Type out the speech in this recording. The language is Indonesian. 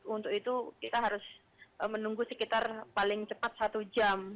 untuk itu kita harus menunggu sekitar paling cepat satu jam